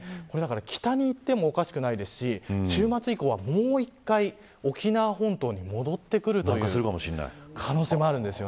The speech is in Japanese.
北に行ってもおかしくないですし週末以降はもう一度、沖縄本島に戻ってくる可能性もあるんです。